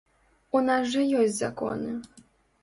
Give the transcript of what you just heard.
У нас жа ёсць законы.